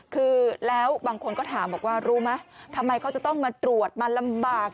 คือแล้วบางคนก็ถามบอกว่ารู้ไหมทำไมเขาจะต้องมาตรวจมาลำบาก